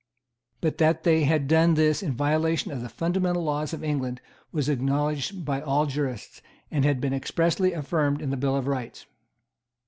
But that they had done this in violation of the fundamental laws of England was acknowledged by all jurists, and had been expressly affirmed in the Bill of Rights.